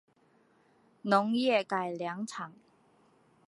农业改良场